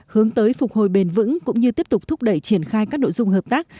hướng tới phục hồi bền vững cũng như tiếp tục thúc đẩy triển khai các nội dung hợp tác